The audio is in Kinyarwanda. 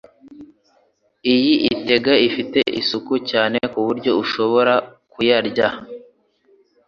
Iyi etage ifite isuku cyane kuburyo ushobora kuyarya.